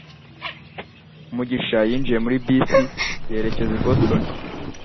mugisha yinjiye muri bisi yerekeza i Boston